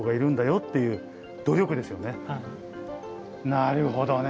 なるほどね。